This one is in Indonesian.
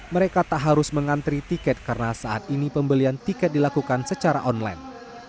mereka tak harus mengantri tiket karena saat ini pembelian tiket dilakukan secara online